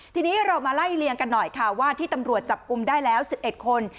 ทีนี้เรามาไล่เลียงกันหน่อยค่ะว่าที่ตำรวจจับกลุ่มได้แล้ว๑๑คน